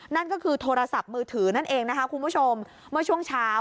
นั่นก็คือโทรศัพท์มือถือนั่นเองนะคะคุณผู้ชมเมื่อช่วงเช้า